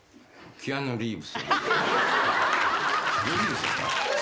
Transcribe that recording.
キアヌ・リーブス？